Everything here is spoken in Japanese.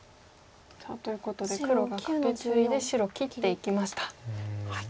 さあということで黒がカケツイで白切っていきました。